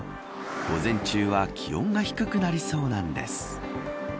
午前中は気温が低くなりそうなんです。